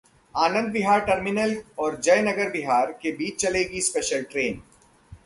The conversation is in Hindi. आनंद विहार टर्मिनल और जयनगर बिहार के बीच चलेगी स्पेशल ट्रेन